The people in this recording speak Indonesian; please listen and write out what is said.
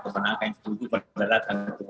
teman anak yang selalu berlebaran